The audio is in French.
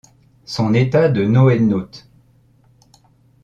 Son état de NoéNaute.